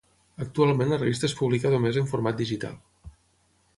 Actualment la revista es publica només en format digital.